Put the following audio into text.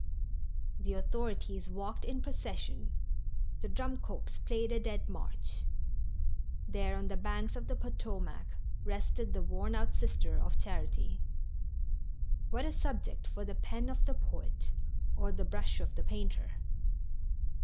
The authorities walked in procession, the drum corps playing a dead march. There on the banks of the Potomac rested the worn out Sister of Charity. What a subject for the pen of the poet or the brush of the painter!